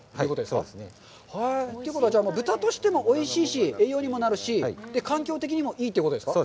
そうですね。ということは、豚としてもおいしいし、栄養にもなるし、環境的にもいいということですか？